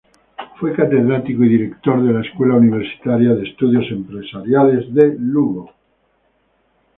Fue catedrático y director de la Escuela Universitaria de Estudios Empresariales de Lugo.